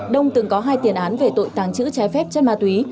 đông từng có hai tiền án về tội tàng trữ trái phép chất ma túy